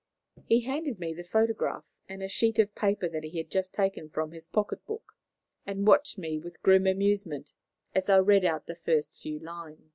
He handed me the photograph and a sheet of paper that he had just taken from his pocket book, and watched me with grim amusement as I read out the first few lines.